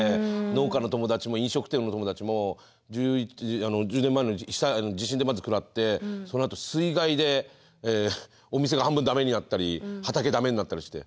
農家の友達も飲食店の友達も１０年前の地震でまず食らってそのあと水害でお店が半分ダメになったり畑ダメになったりして。